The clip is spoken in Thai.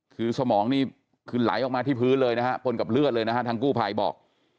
คือสมองนี่คือไหลออกมาที่พื้นเลยนะฮะพลกับเลือดเลยนะฮะทางกู้ภัยบอก